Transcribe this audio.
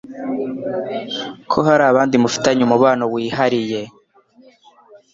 ko hari abandi mufitanye umubano wihariye.